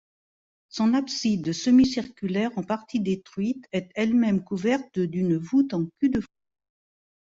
Son abside, semi-circulaire, en partie détruite, est elle-même couverte d'une voûte en cul-de-four.